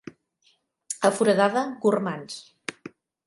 A Foradada, gormands.